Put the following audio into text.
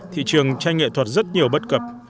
thị trường tranh nghệ thuật rất nhiều bất cập